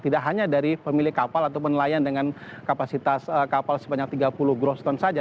tidak hanya dari pemilik kapal atau penelayan dengan kapasitas kapal sebanyak tiga puluh groston saja